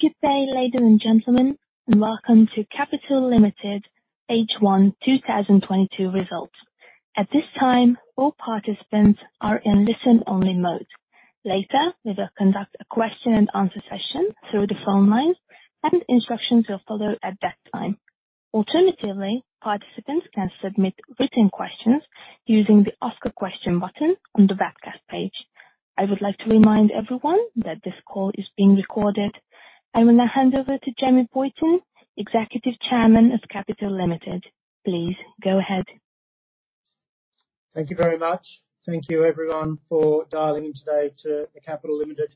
Good day, ladies and gentlemen, and welcome to Capital Limited H1 2022 Results. At this time, all participants are in listen-only mode. Later, we will conduct a question and answer session through the phone lines, and instructions will follow at that time. Alternatively, participants can submit written questions using the Ask a Question button on the webcast page. I would like to remind everyone that this call is being recorded. I will now hand over to Jamie Boyton, Executive Chairman of Capital Limited. Please go ahead. Thank you very much. Thank you everyone for dialing in today to the Capital Limited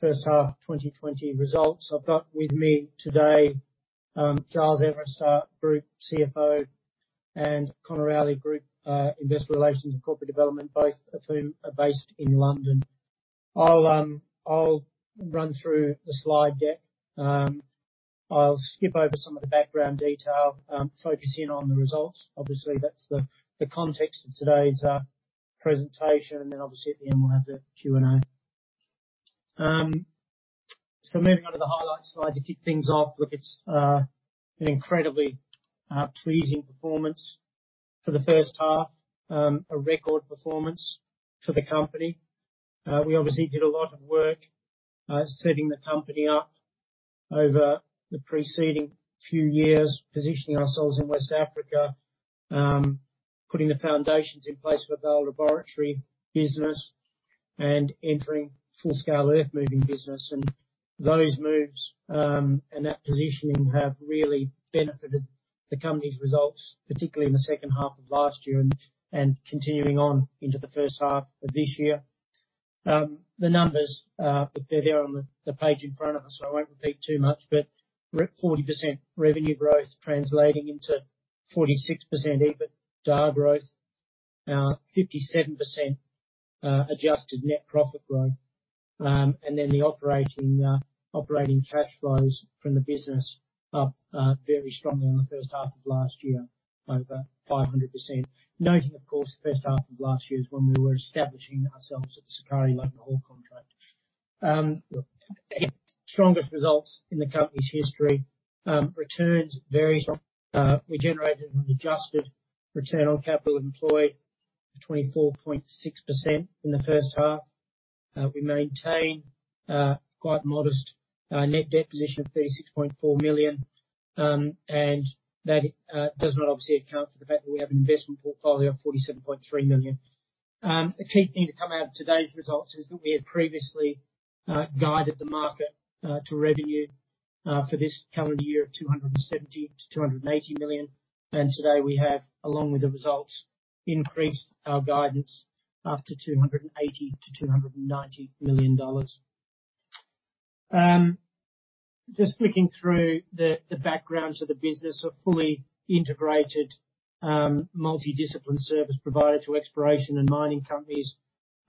first half 2020 results. I've got with me today, Giles Everist, our Group CFO, and Conor Rowley, Group Investor Relations and Corporate Development, both of whom are based in London. I'll run through the slide deck. I'll skip over some of the background detail, focus in on the results. Obviously, that's the context of today's presentation. Obviously at the end we'll have the Q&A. Moving on to the highlights slide to kick things off. Look, it's an incredibly pleasing performance for the first half. A record performance for the company. We obviously did a lot of work, setting the company up over the preceding few years, positioning ourselves in West Africa, putting the foundations in place for the laboratory business and entering full scale earthmoving business. Those moves and that positioning have really benefited the company's results, particularly in the second half of last year and continuing on into the first half of this year. The numbers, they're there on the page in front of us, so I won't repeat too much, but we're at 40% revenue growth, translating into 46% EBITDA growth. 57% adjusted net profit growth. Then the operating cash flows from the business up very strongly on the first half of last year, over 500%. Noting, of course, the first half of last year is when we were establishing ourselves at the Sukari mine contract. Look, again, strongest results in the company's history. Returns very strong. We generated an adjusted return on capital employed of 24.6% in the first half. We maintain quite modest net debt position of $36.4 million. And that does not obviously account for the fact that we have an investment portfolio of $47.3 million. A key thing to come out of today's results is that we had previously guided the market to revenue for this current year of $270 million-$280 million. Today we have, along with the results, increased our guidance up to $280 million-$290 million. Just flicking through the background. The business are fully integrated multi-discipline service provider to exploration and mining companies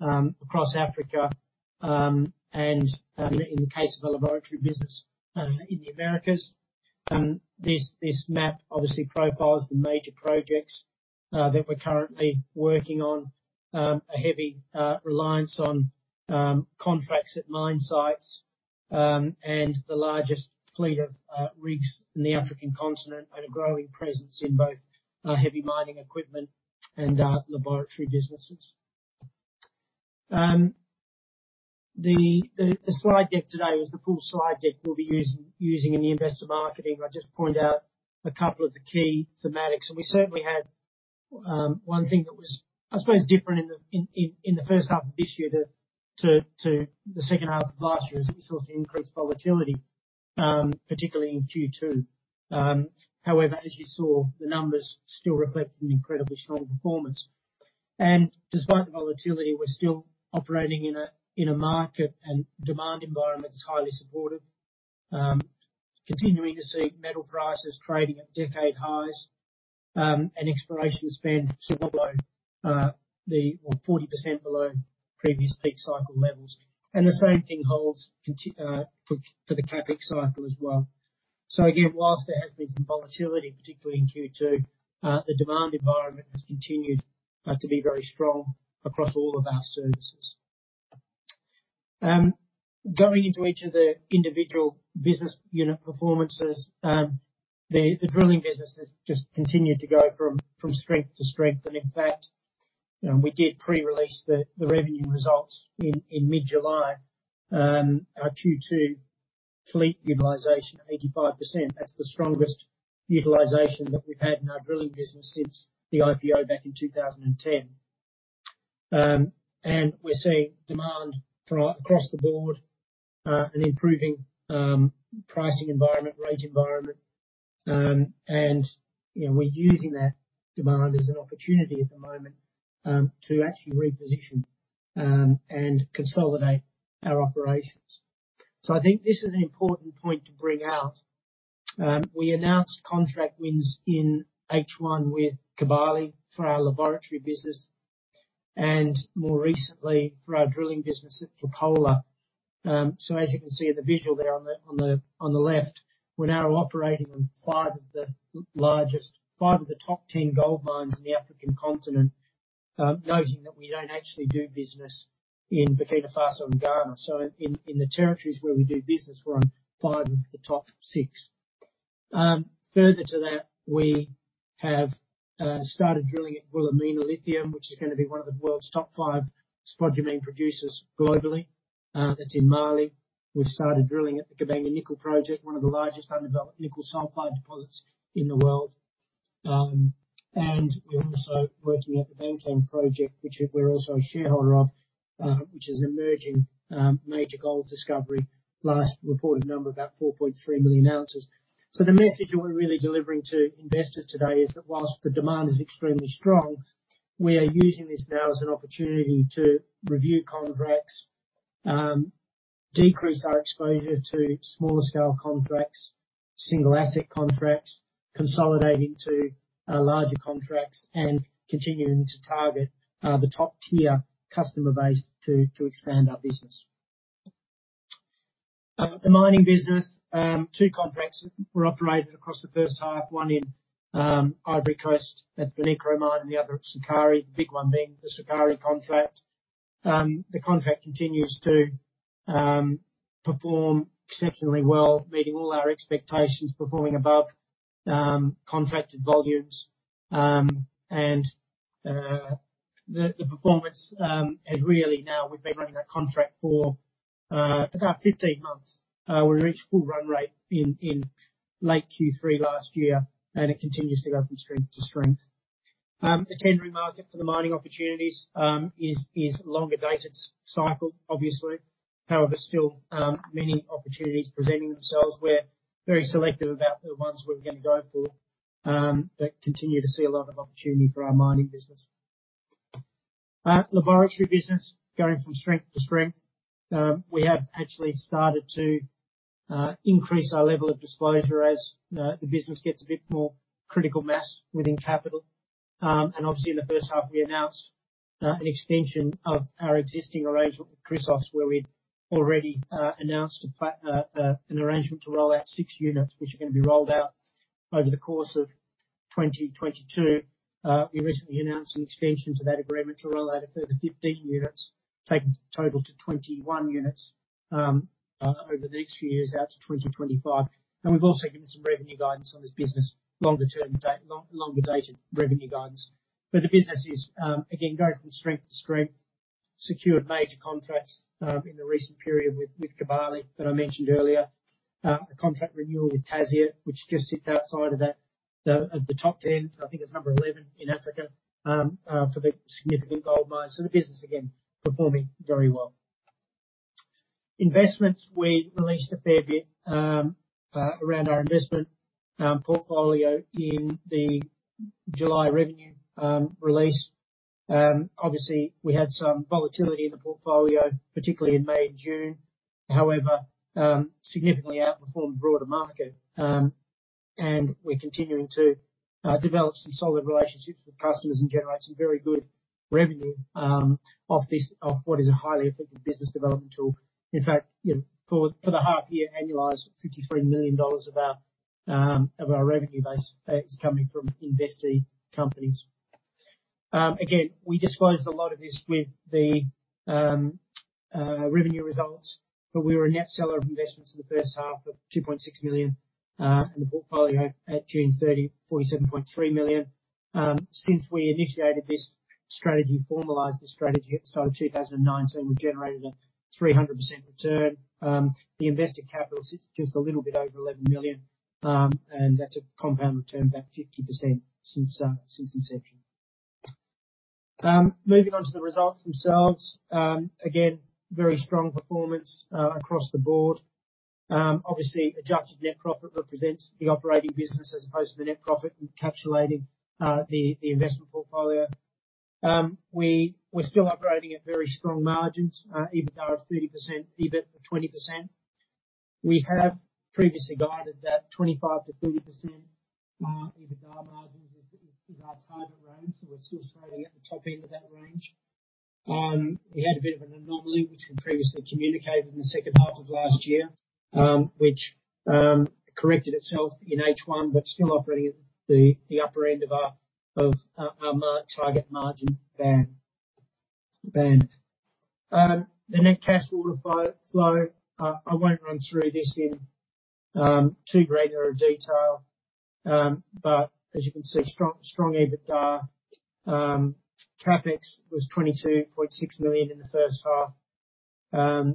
across Africa. In the case of the laboratory business, in the Americas. This map obviously profiles the major projects that we're currently working on. A heavy reliance on contracts at mine sites and the largest fleet of rigs in the African continent, and a growing presence in both heavy mining equipment and our laboratory businesses. The slide deck today was the full slide deck we'll be using in the investor marketing. I'll just point out a couple of the key thematics. We certainly had one thing that was, I suppose different in the first half of this year to the second half of last year, is we saw some increased volatility, particularly in Q2. However, as you saw, the numbers still reflect an incredibly strong performance. Despite the volatility, we're still operating in a market and demand environment that's highly supportive. Continuing to see metal prices trading at decade highs, and exploration spend below or 40% below previous peak cycle levels. The same thing holds for the CapEx cycle as well. Again, whilst there has been some volatility, particularly in Q2, the demand environment has continued to be very strong across all of our services. Going into each of the individual business unit performances. The drilling business has just continued to go from strength to strength. In fact, you know, we did pre-release the revenue results in mid-July. Our Q2 fleet utilization 85%, that's the strongest utilization that we've had in our drilling business since the IPO back in 2010. We're seeing demand across the board, an improving pricing environment, rate environment. You know, we're using that demand as an opportunity at the moment to actually reposition and consolidate our operations. I think this is an important point to bring out. We announced contract wins in H1 with Kibali for our laboratory business and more recently for our drilling business at Rapola. As you can see in the visual there on the left, we're now operating on five of the top 10 gold mines in the African continent. Noting that we don't actually do business in Burkina Faso and Ghana. In the territories where we do business, we're on five of the top six. Further to that, we have started drilling at Goulamina Lithium Project, which is gonna be one of the world's top five spodumene producers globally. That's in Mali. We started drilling at the Kabanga Nickel Project, one of the largest undeveloped nickel sulfide deposits in the world. We're also working at the Bankan Project, which we're also a shareholder of, which is an emerging major gold discovery. Last reported number about 4.3 million ounces. The message that we're really delivering to investors today is that while the demand is extremely strong, we are using this now as an opportunity to review contracts, decrease our exposure to smaller scale contracts, single asset contracts, consolidating to larger contracts and continuing to target the top-tier customer base to expand our business. The mining business, two contracts were operated across the first half, one in Ivory Coast at the Ity mine and the other at Sukari, the big one being the Sukari contract. The contract continues to perform exceptionally well, meeting all our expectations, performing above contracted volumes. The performance has really now we've been running that contract for about 15 months. We reached full run rate in late Q3 last year, and it continues to go from strength to strength. The tendering market for the mining opportunities is longer dated cycle, obviously. However, still, many opportunities presenting themselves. We're very selective about the ones we're gonna go for. Continue to see a lot of opportunity for our mining business. Laboratory business going from strength to strength. We have actually started to increase our level of disclosure as the business gets a bit more critical mass within Capital. Obviously in the first half we announced an extension of our existing arrangement with Chrysos, where we'd already announced an arrangement to roll out six units, which are gonna be rolled out over the course of 2022. We recently announced an extension to that agreement to roll out a further 15 units, taking the total to 21 units over the next few years out to 2025. We've also given some revenue guidance on this business, longer dated revenue guidance. The business is again going from strength to strength. Secured major contracts in the recent period with Kibali that I mentioned earlier. A contract renewal with Tasiast, which just sits outside of that. The top ten, I think it's number 11 in Africa for the significant gold mines. The business again performing very well. Investments, we released a fair bit around our investment portfolio in the July revenue release. Obviously we had some volatility in the portfolio, particularly in May and June. However, significantly outperformed the broader market. We're continuing to develop some solid relationships with customers and generate some very good revenue, off what is a highly effective business development tool. In fact, you know, for the half year annualized, $53 million of our revenue base is coming from investee companies. Again, we disclosed a lot of this with the revenue results, but we were a net seller of investments in the first half of $2.6 million, and the portfolio at June 30, $47.3 million. Since we initiated this strategy, formalized this strategy at the start of 2019, we generated a 300% return. The invested capital sits just a little bit over $11 million, and that's a compound return about 50% since inception. Moving on to the results themselves. Again, very strong performance across the board. Obviously adjusted net profit represents the operating business as opposed to the net profit encapsulating the investment portfolio. We're still operating at very strong margins, EBITDA of 30%, EBIT of 20%. We have previously guided that 25%-30% EBITDA margins is our target range, so we're still trading at the top end of that range. We had a bit of an anomaly which we previously communicated in the second half of last year, which corrected itself in H1, but still operating at the upper end of our target margin band. The net cash waterfall, I won't run through this in too granular detail. As you can see, strong EBITDA. CapEx was $22.6 million in the first half.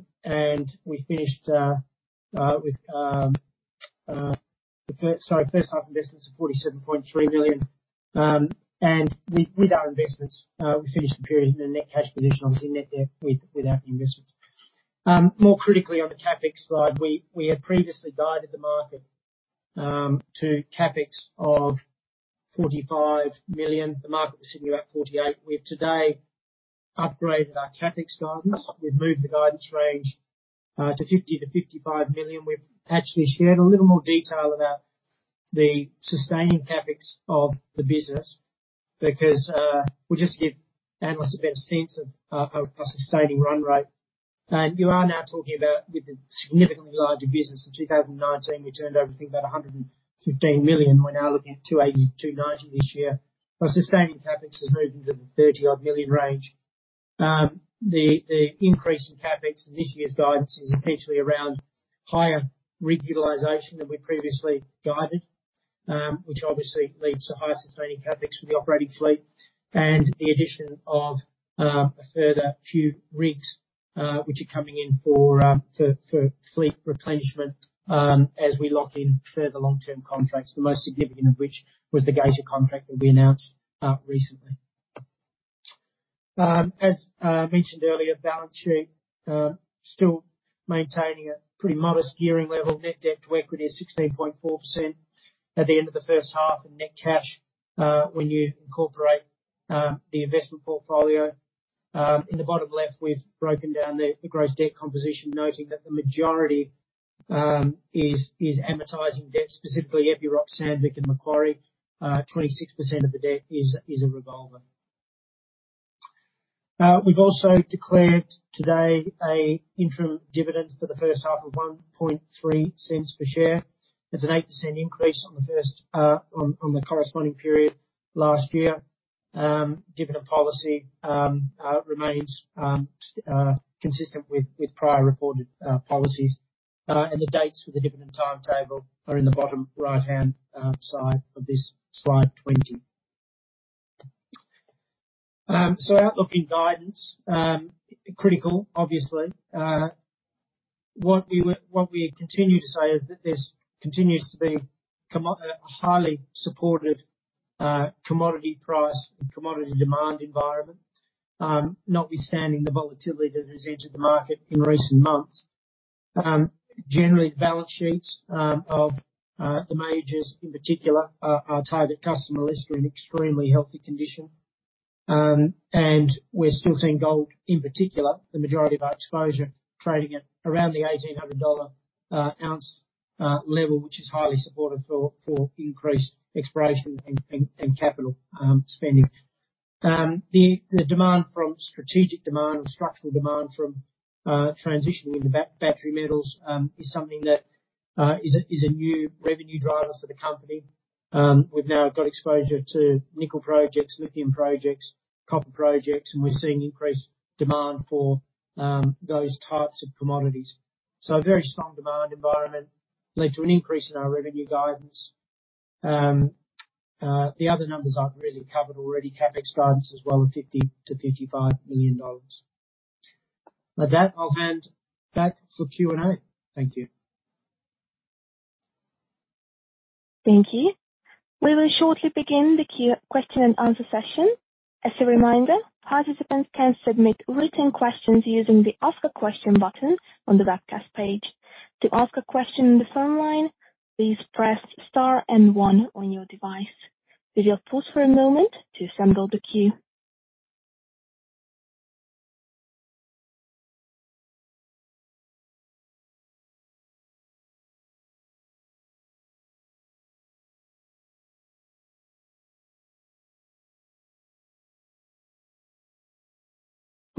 We finished with first half investments of $47.3 million. With our investments, we finished the period in a net cash position, obviously net debt without the investments. More critically on the CapEx slide, we had previously guided the market to CapEx of $45 million. The market was sitting about $48 million. We've today upgraded our CapEx guidance. We've moved the guidance range to $50 million-$55 million. We've actually shared a little more detail about the sustaining CapEx of the business because we'll just give analysts a better sense of our sustaining run rate. You are now talking about with a significantly larger business. In 2019, we turned over, I think, about $115 million. We're now looking at $280 million-$290 million this year. Our sustaining CapEx has moved into the 30-odd million range. The increase in CapEx in this year's guidance is essentially around higher rig utilization than we previously guided, which obviously leads to higher sustaining CapEx for the operating fleet and the addition of a further few rigs, which are coming in for fleet replenishment, as we lock in further long-term contracts, the most significant of which was the Geita contract that we announced recently. As mentioned earlier, balance sheet still maintaining a pretty modest gearing level. Net debt to equity is 16.4% at the end of the first half, and net cash, when you incorporate the investment portfolio. In the bottom left, we've broken down the gross debt composition, noting that the majority is amortizing debt, specifically Epiroc, Sandvik and Macquarie. 26% of the debt is a revolver. We've also declared today an interim dividend for the first half of $0.013 per share. It's an 8% increase on the first, on the corresponding period last year. Dividend policy remains consistent with prior reported policies. The dates for the dividend timetable are in the bottom right-hand side of this slide 20. Outlook and guidance critical obviously. What we continue to say is that this continues to be a highly supportive commodity price and commodity demand environment, notwithstanding the volatility that has entered the market in recent months. Generally, balance sheets of the majors in particular, our target customer lists are in extremely healthy condition. We're still seeing gold, in particular, the majority of our exposure trading at around the $1,800 ounce level, which is highly supportive for increased exploration and capital spending. The demand from strategic demand or structural demand from transitioning into battery metals is something that is a new revenue driver for the company. We've now got exposure to nickel projects, lithium projects, copper projects, and we're seeing increased demand for those types of commodities. A very strong demand environment led to an increase in our revenue guidance. The other numbers I've really covered already. CapEx guidance as well of $50 million-$55 million. With that, I'll hand back for Q&A. Thank you. Thank you. We will shortly begin the question and answer session. As a reminder, participants can submit written questions using the Ask a Question button on the webcast page. To ask a question on the phone line, please press star and one on your device. We will pause for a moment to assemble the queue. We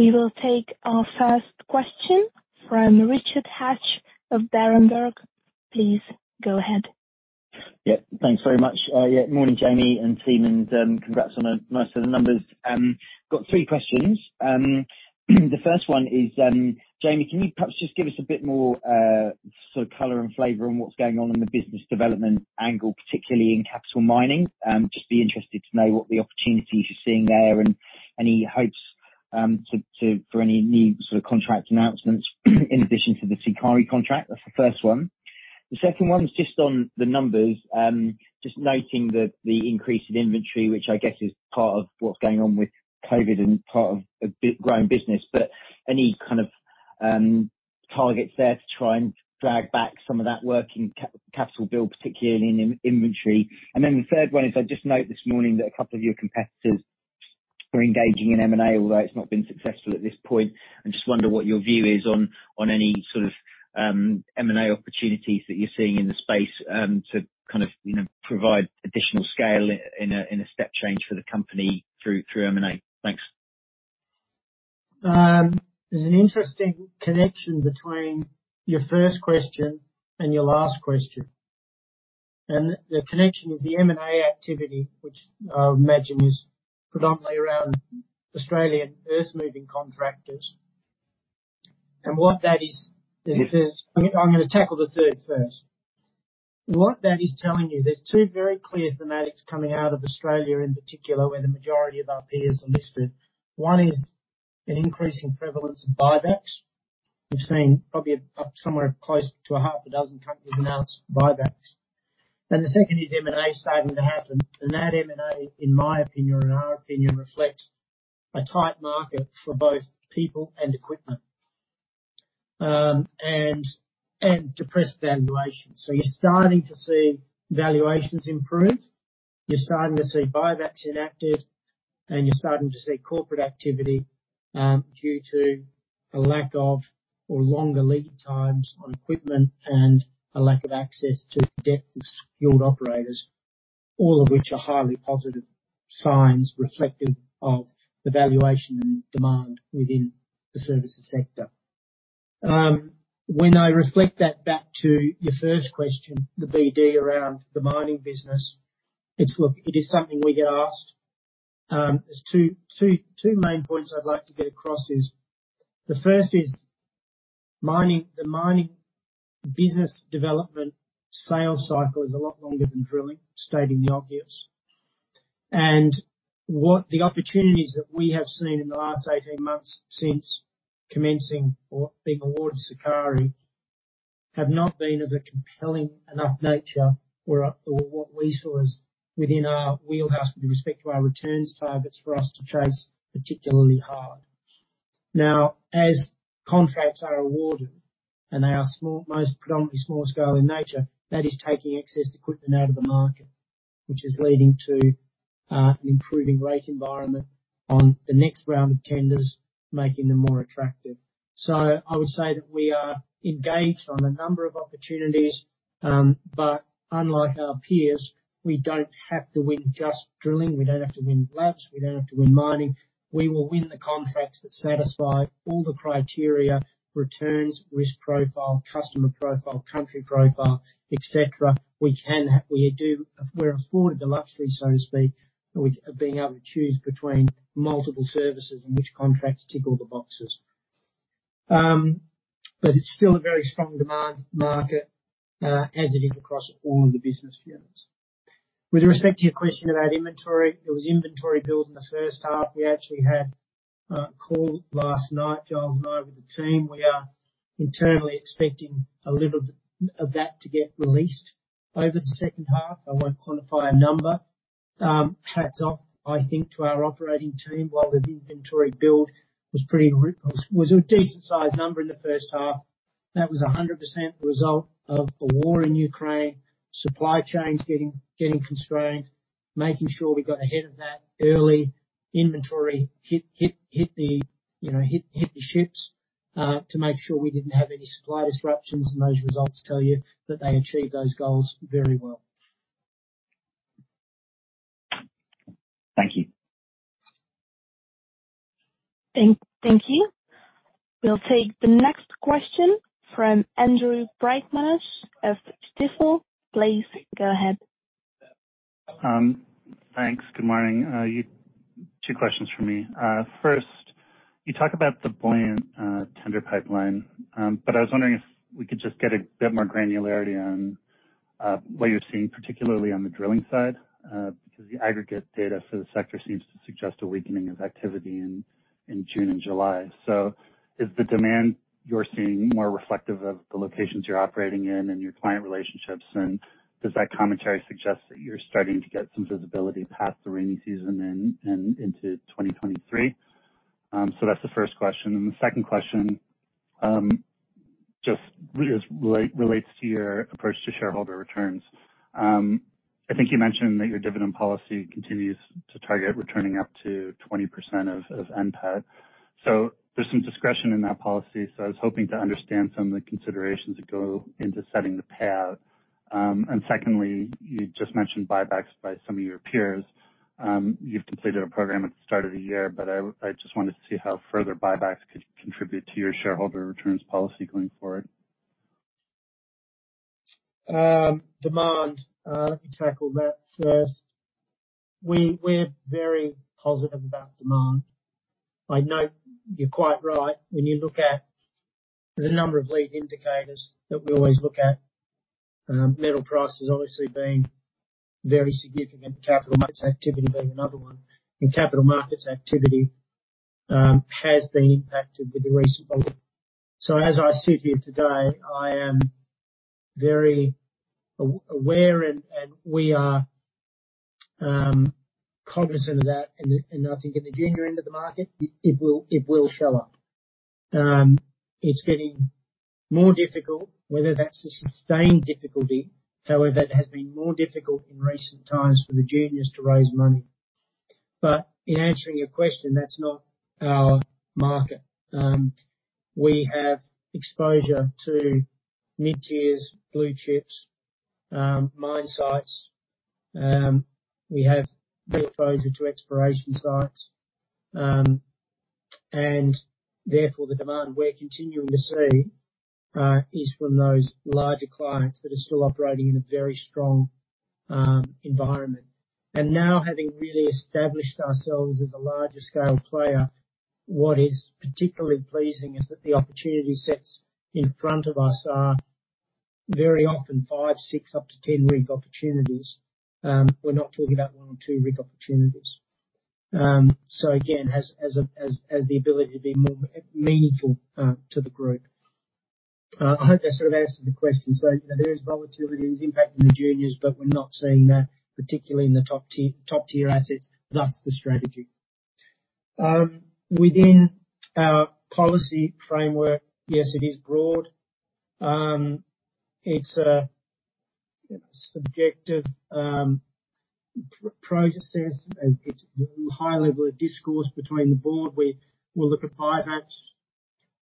will take our first question from Richard Hatch of Berenberg. Please go ahead. Yeah, thanks very much. Yeah, morning, Jamie and team, and congrats on a nice set of numbers. Got three questions. The first one is, Jamie, can you perhaps just give us a bit more sort of color and flavor on what's going on in the business development angle, particularly in Capital Mining? Just be interested to know what the opportunities you're seeing there and any hopes to for any new sort of contract announcements in addition to the Sukari contract. That's the first one. The second one is just on the numbers. Just noting the increase in inventory, which I guess is part of what's going on with COVID and part of a growing business. But any kind of targets there to try and drag back some of that working capital build, particularly in inventory. The third one is, I just note this morning that a couple of your competitors are engaging in M&A, although it's not been successful at this point. I just wonder what your view is on any sort of M&A opportunities that you're seeing in the space to kind of, you know, provide additional scale in a step change for the company through M&A. Thanks. There's an interesting connection between your first question and your last question. The connection is the M&A activity, which I would imagine is predominantly around Australian earthmoving contractors. What that is, I'm gonna tackle the third first. What that is telling you, there's two very clear thematics coming out of Australia in particular, where the majority of our peers are listed. One is an increasing prevalence of buybacks. We've seen probably up somewhere close to a half a dozen companies announce buybacks. The second is M&A starting to happen. That M&A, in my opinion and our opinion, reflects a tight market for both people and equipment and depressed valuations. You're starting to see valuations improve. You're starting to see buybacks enacted, and you're starting to see corporate activity due to a lack of or longer lead times on equipment and a lack of access to deeply skilled operators. All of which are highly positive signs reflective of the valuation and demand within the services sector. When I reflect that back to your first question, the BD around the mining business, it's. Look, it is something we get asked. There's two main points I'd like to get across is. The first is mining. The mining business development sales cycle is a lot longer than drilling, stating the obvious. What the opportunities that we have seen in the last 18 months since commencing or being awarded Sukari have not been of a compelling enough nature or what we saw as within our wheelhouse with respect to our returns targets for us to chase particularly hard. Now, as contracts are awarded, and they are small, most predominantly small scale in nature, that is taking excess equipment out of the market, which is leading to an improving rate environment on the next round of tenders, making them more attractive. I would say that we are engaged on a number of opportunities, but unlike our peers, we don't have to win just drilling. We don't have to win labs. We don't have to win mining. We will win the contracts that satisfy all the criteria, returns, risk profile, customer profile, country profile, et cetera. We're afforded the luxury, so to speak, with of being able to choose between multiple services and which contracts tick all the boxes. It's still a very strong demand market, as it is across all of the business units. With respect to your question about inventory, there was inventory build in the first half. We actually had a call last night, Giles and I, with the team. We are internally expecting a little bit of that to get released over the second half. I won't quantify a number. Hats off, I think, to our operating team. While the inventory build was pretty robust, was a decent sized number in the first half, that was 100% the result of the war in Ukraine, supply chains getting constrained, making sure we got ahead of that early, inventory hit the ships, you know, to make sure we didn't have any supply disruptions. Those results tell you that they achieved those goals very well. Thank you. We'll take the next question from Andrew Breichmanas of Stifel. Please go ahead. Thanks. Good morning. Two questions from me. First, you talk about the buoyant tender pipeline. I was wondering if we could just get a bit more granularity on what you're seeing, particularly on the drilling side, because the aggregate data for the sector seems to suggest a weakening of activity in June and July. Is the demand you're seeing more reflective of the locations you're operating in and your client relationships? Does that commentary suggest that you're starting to get some visibility past the rainy season and into 2023? That's the first question. The second question just relates to your approach to shareholder returns. I think you mentioned that your dividend policy continues to target returning up to 20% of NPAT. There's some discretion in that policy. I was hoping to understand some of the considerations that go into setting the path. Secondly, you just mentioned buybacks by some of your peers. You've completed a program at the start of the year, but I just wanted to see how further buybacks could contribute to your shareholder returns policy going forward. Demand, let me tackle that first. We're very positive about demand. I know you're quite right when you look at the number of lead indicators that we always look at. Metal prices obviously being very significant. Capital markets activity being another one. Capital markets activity has been impacted with the recent volatility. As I sit here today, I am very aware and we are cognizant of that. I think in the junior end of the market, it will show up. It's getting more difficult, whether that's a sustained difficulty. However, it has been more difficult in recent times for the juniors to raise money. In answering your question, that's not our market. We have exposure to mid-tiers, blue chips, mine sites. We have the exposure to exploration sites. Therefore the demand we're continuing to see is from those larger clients that are still operating in a very strong environment. Now having really established ourselves as a larger scale player, what is particularly pleasing is that the opportunity sets in front of us are very often five, six, up to 10 rig opportunities. We're not talking about one or two rig opportunities. Again, as the ability to be more meaningful to the group. I hope that sort of answers the question. You know, there is volatility impacting the juniors, but we're not seeing that particularly in the top tier assets, thus the strategy. Within our policy framework, yes, it is broad. It's a subjective process. It's high level of discourse between the board. Will it require buybacks?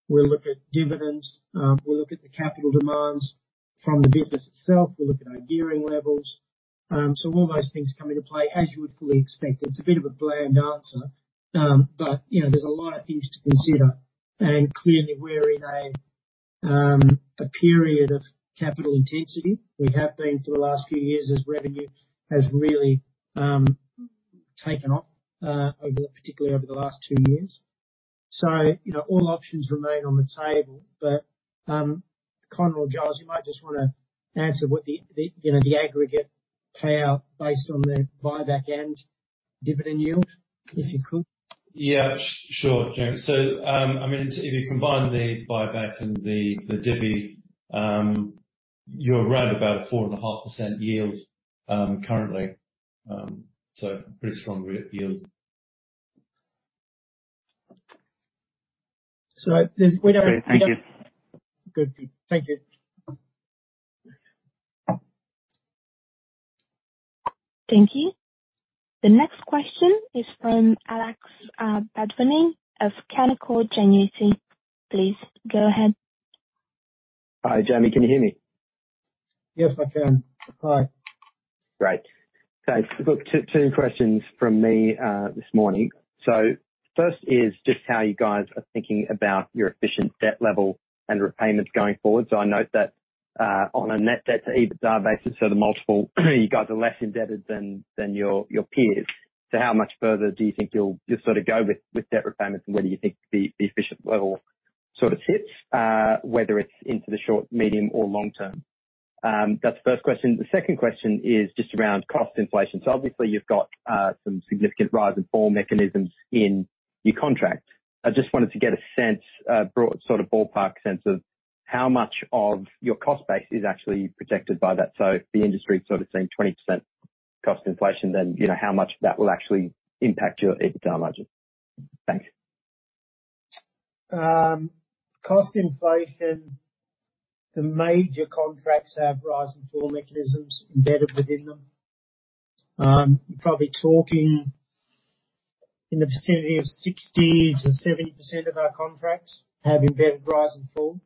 We'll look at dividends, we'll look at the capital demands from the business itself, we'll look at our gearing levels. All those things come into play, as you would fully expect. It's a bit of a bland answer, but you know, there's a lot of things to consider. Clearly, we're in a period of capital intensity. We have been for the last few years as revenue has really taken off, particularly over the last two years. You know, all options remain on the table. Conor or Giles, you might just wanna answer what the, you know, the aggregate payout based on the buyback and dividend yield, if you could. Yeah. Sure, Jamie. I mean, if you combine the buyback and the divvy, you're around about 4.5% yield, currently. Pretty strong re-yield. So there's-- we don't- Okay, thank you. Good. Good. Thank you. Thank you. The next question is from Alex Bedwany of Canaccord Genuity. Please go ahead. Hi, Jamie, can you hear me? Yes, I can. Hi. Great. Look, two questions from me this morning. First is just how you guys are thinking about your efficient debt level and repayments going forward. I note that on a net debt to EBITDA basis, the multiple, you guys are less indebted than your peers. How much further do you think you'll sort of go with debt repayments, and where do you think the efficient level sort of sits, whether it's into the short, medium, or long term? That's the first question. The second question is just around cost inflation. Obviously you've got some significant rise and fall mechanisms in your contract. I just wanted to get a sense, a broad sort of ballpark sense of how much of your cost base is actually protected by that. If the industry is sort of seeing 20% cost inflation, then, you know, how much that will actually impact your EBITDA margin. Thanks. Cost inflation. The major contracts have rise and fall mechanisms embedded within them. You're probably talking in the vicinity of 60%-70% of our contracts have embedded rise and fall.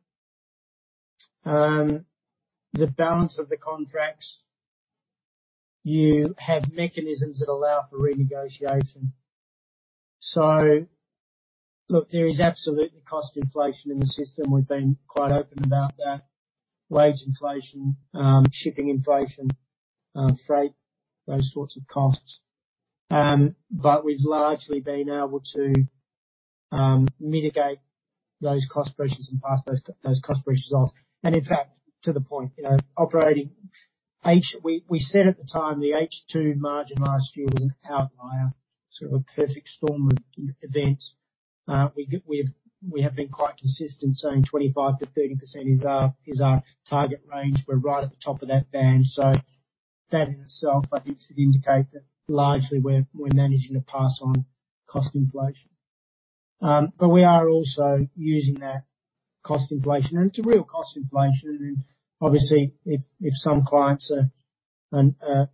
The balance of the contracts, you have mechanisms that allow for renegotiation. Look, there is absolutely cost inflation in the system. We've been quite open about that. Wage inflation, shipping inflation, freight, those sorts of costs. We've largely been able to mitigate those cost pressures and pass those cost pressures off. In fact, to the point, you know, we said at the time, the H2 margin last year was an outlier, sort of a perfect storm of events. We've been quite consistent saying 25%-30% is our target range. We're right at the top of that band. That in itself, I think, should indicate that largely we're managing to pass on cost inflation. We are also using that cost inflation, and it's a real cost inflation. Obviously if some clients are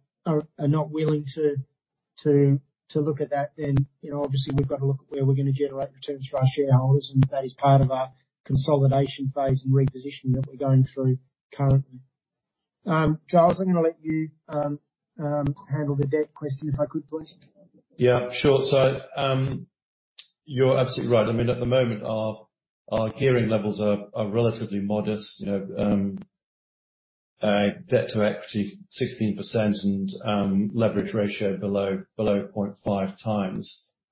not willing to look at that, you know, obviously we've got to look at where we're gonna generate returns for our shareholders, and that is part of our consolidation phase and reposition that we're going through currently. Giles, I'm gonna let you handle the debt question if I could, please. Yeah, sure. You're absolutely right. I mean, at the moment our gearing levels are relatively modest. You know, debt to equity 16% and leverage ratio below 0.5x.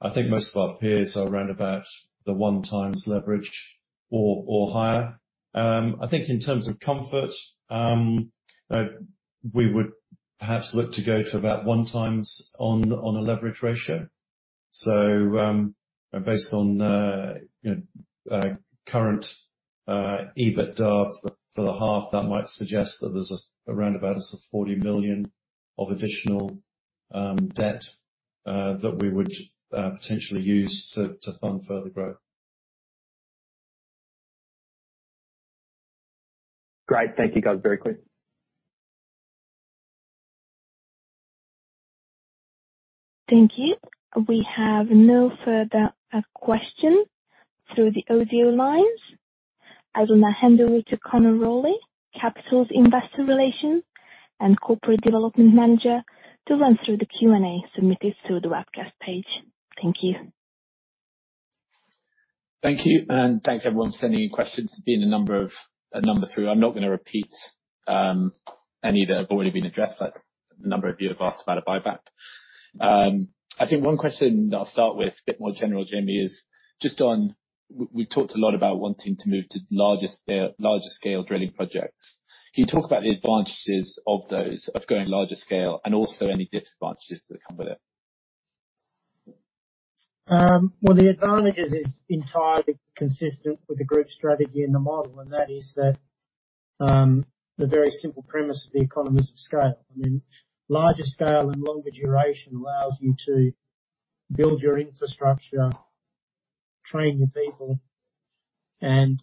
I think most of our peers are around about the 1 times leverage or higher. I think in terms of comfort, we would perhaps look to go to about 1 times on a leverage ratio. Based on you know current EBITDA for the half, that might suggest that there's around about a sort of $40 million of additional debt that we would potentially use to fund further growth. Great. Thank you, guys. Very clear. Thank you. We have no further questions through the audio lines. I will now hand over to Conor Rowley, Capital's Investor Relations and Corporate Development Manager, to run through the Q&A submitted through the webcast page. Thank you. Thank you, and thanks everyone for sending in questions. There's been a number through. I'm not gonna repeat any that have already been addressed, like a number of you have asked about a buyback. I think one question that I'll start with, a bit more general, Jamie, is just on, we talked a lot about wanting to move to larger scale drilling projects. Can you talk about the advantages of those, of going larger scale and also any disadvantages that come with it? Well, the advantages is entirely consistent with the group strategy and the model, and that is that, the very simple premise of the economies of scale. I mean, larger scale and longer duration allows you to build your infrastructure, train your people, and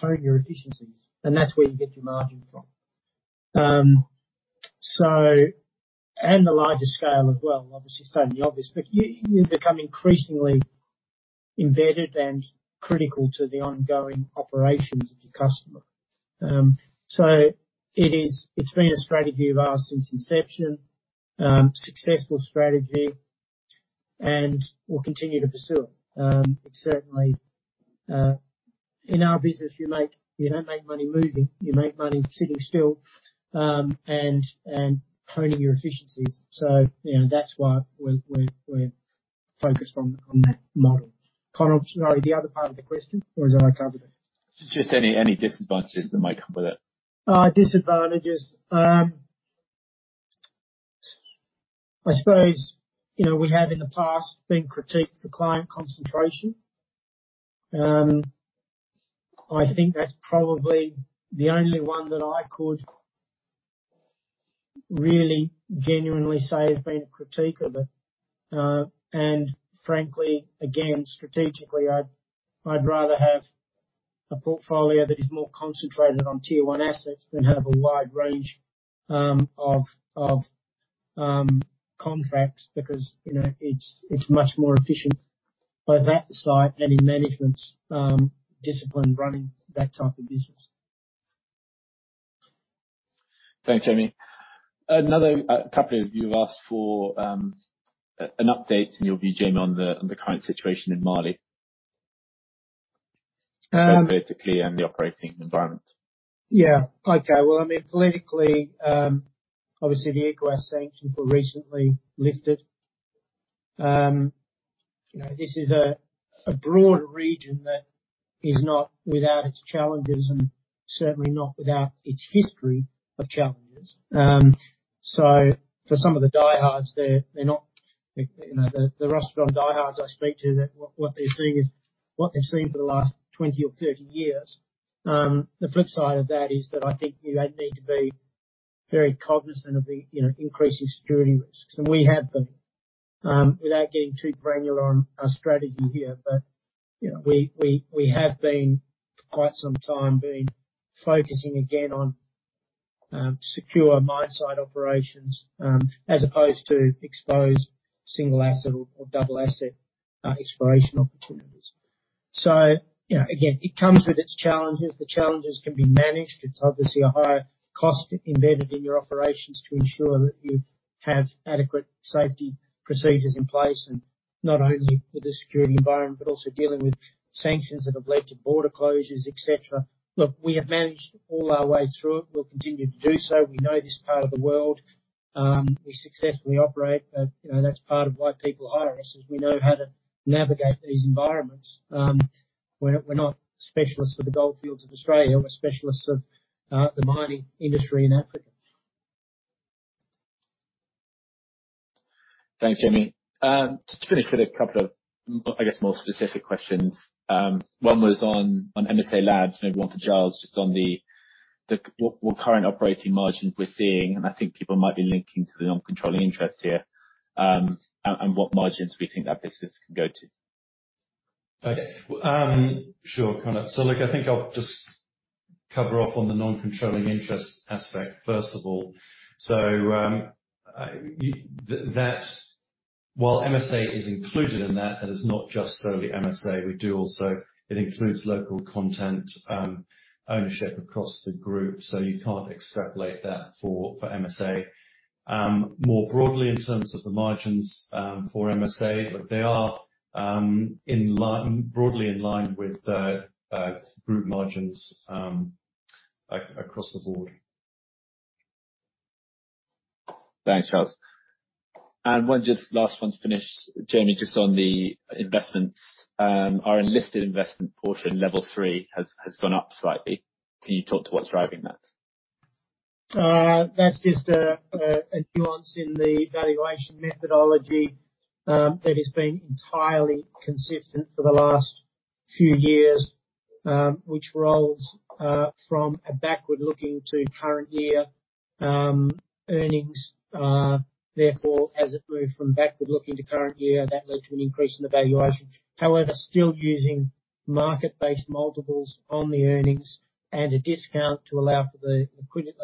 hone your efficiencies. That's where you get your margin from. The larger scale as well, obviously stating the obvious, but you become increasingly embedded and critical to the ongoing operations of your customer. So it is. It's been a strategy of ours since inception, successful strategy, and we'll continue to pursue it. Certainly, in our business, you don't make money moving, you make money sitting still, and honing your efficiencies. You know, that's why we're focused on that model. Conor, sorry, the other part of the question, or have I covered it? Just any disadvantages that may come with it. Disadvantages. I suppose, you know, we have in the past been critiqued for client concentration. I think that's probably the only one that I could really genuinely say has been a critique of it. Frankly, again, strategically, I'd rather have a portfolio that is more concentrated on tier one assets than have a wide range of contracts because, you know, it's much more efficient both at that site and in management's discipline running that type of business. Thanks, Jamie. Another couple of you asked for an update in your view, Jamie, on the current situation in Mali. Um- Politically and the operating environment. Yeah. Okay. Well, I mean, politically, obviously the ECOWAS sanctions were recently lifted. You know, this is a broad region that is not without its challenges and certainly not without its history of challenges. For some of the diehards, they're not, you know, the rest of diehards I speak to, what they're seeing is what they've seen for the last 20 or 30 years. The flip side of that is that I think you then need to be very cognizant of the you know increasing security risks. We have been. Without getting too granular on our strategy here, but, you know, we have been for quite some time focusing again on secure mine site operations, as opposed to exposed single asset or double asset exploration opportunities. You know, again, it comes with its challenges. The challenges can be managed. It's obviously a higher cost embedded in your operations to ensure that you have adequate safety procedures in place and not only with the security environment, but also dealing with sanctions that have led to border closures, et cetera. Look, we have managed all our way through. We'll continue to do so. We know this part of the world. We successfully operate. You know, that's part of why people hire us, is we know how to navigate these environments. We're not specialists for the gold fields of Australia. We're specialists of the mining industry in Africa. Thanks, Jamie. Just to finish with a couple of, I guess, more specific questions. One was on MSALABS. Maybe one for Giles, just on what current operating margins we're seeing, and I think people might be linking to the non-controlling interest here, and what margins we think that business can go to. Okay. Sure, Conor. Look, I think I'll just cover off on the non-controlling interest aspect, first of all. While MSA is included in that is not just solely MSA. We do also. It includes local content, ownership across the group, so you can't extrapolate that for MSA. More broadly, in terms of the margins, for MSA, look, they are in line, broadly in line with group margins, across the board. Thanks, Giles. Just one last one to finish. Jamie, just on the investments. Our unlisted investment portion, Level 3, has gone up slightly. Can you talk to what's driving that? That's just a nuance in the valuation methodology that has been entirely consistent for the last few years, which rolls from a backward-looking to current year earnings. Therefore, as it moved from backward-looking to current year, that led to an increase in the valuation. However, still using market-based multiples on the earnings and a discount to allow for a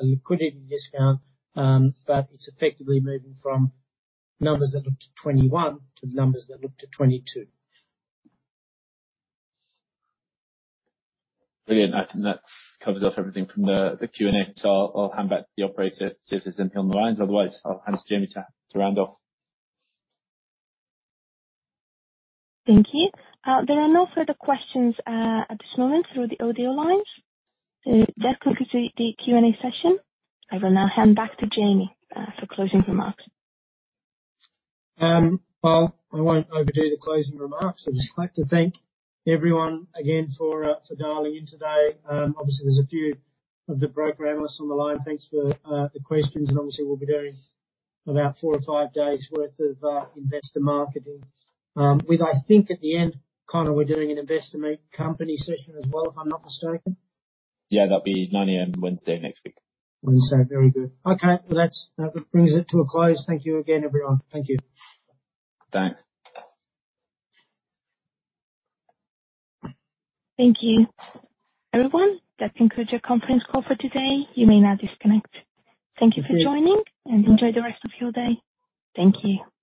liquidity discount, but it's effectively moving from numbers that looked to 2021 to numbers that look to 2022. Brilliant. I think that covers off everything from the Q&A. I'll hand back to the operator, see if there's anything on the lines. Otherwise, I'll hand to Jamie to round off. Thank you. There are no further questions at this moment through the audio lines. That concludes the Q&A session. I will now hand back to Jamie for closing remarks. Well, I won't overdo the closing remarks. I'd just like to thank everyone again for for dialing in today. Obviously there's a few of the broker analysts on the line. Thanks for the questions, and obviously we'll be doing about four or five days worth of investor marketing. With I think at the end, Conor, we're doing an investor company session as well, if I'm not mistaken. Yeah, that'll be 9:00 A.M. Wednesday next week. Wednesday. Very good. Okay. Well, that brings it to a close. Thank you again, everyone. Thank you. Thanks. Thank you. Everyone, that concludes your conference call for today. You may now disconnect. Thank you for joining, and enjoy the rest of your day. Thank you.